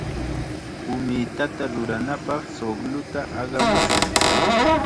Umitata ruranapaq chuqlluta aqamushun.